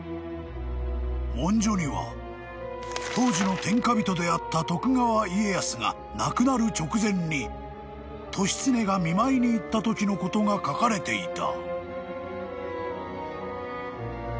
［文書には当時の天下人であった徳川家康が亡くなる直前に利常が見舞いに行ったときのことが書かれていた］